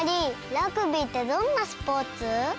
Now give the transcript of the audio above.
ラグビーってどんなスポーツ？